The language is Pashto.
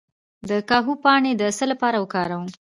د کاهو پاڼې د څه لپاره وکاروم؟